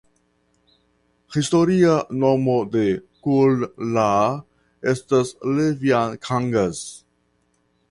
Historia nomo de Kullaa estas Leviankangas.